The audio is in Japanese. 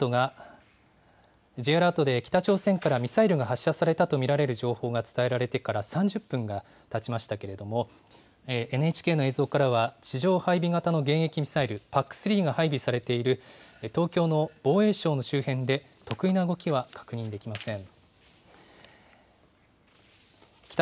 Ｊアラートで北朝鮮からミサイルが発射されたと見られる情報が伝えられてから３０分がたちましたけれども、ＮＨＫの映像からは、地上配備型の迎撃ミサイル、ＰＡＣ３が配備されている東京の防衛省の周辺で特異な動きは確認できません。